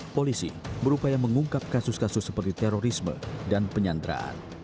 polisi berupaya mengungkap kasus kasus seperti terorisme dan penyanderaan